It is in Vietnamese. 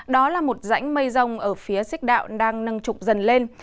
đó là một rãnh mây rông ở phía xích đạo đang nâng trục dần lên